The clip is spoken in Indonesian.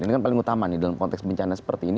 ini kan paling utama nih dalam konteks bencana seperti ini